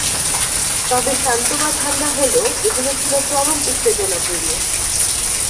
তবে শান্ত বা ঠাণ্ডা হলেও এগুলো ছিল চরম উত্তেজনাপূর্ণ।